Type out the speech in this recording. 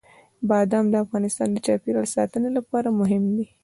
بادام د افغانستان د چاپیریال ساتنې لپاره مهم دي.